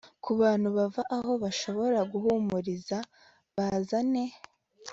Kubantu bava aho bashobora guhumuriza bazane